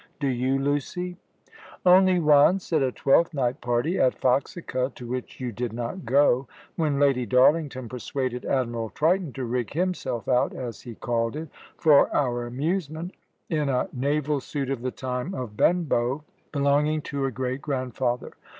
Do you, Lucy?" "Only once, at a Twelfth night party at Foxica, to which you did not go, when Lady Darlington persuaded Admiral Triton to rig himself out, as he called it, for our amusement, in a naval suit of the time of Benbow, belonging to her great grandfather.